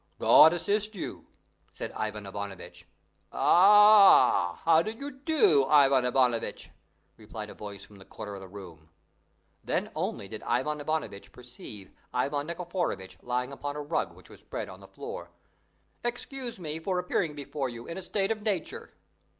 "God assist you!" said Ivan Ivanovitch. "Ah! how do you do, Ivan Ivanovitch?" replied a voice from the corner of the room. Then only did Ivan Ivanovitch perceive Ivan Nikiforovitch lying upon a rug which was spread on the floor. "Excuse me for appearing before you in a state of nature."